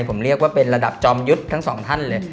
ผมเรียกว่าเป็นระดับจอมยุทธ์ทั้งสองท่านเลย